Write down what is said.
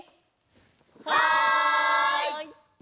はい！